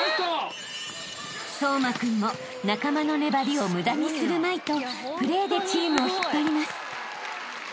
［颯真君も仲間の粘りを無駄にするまいとプレーでチームを引っ張ります］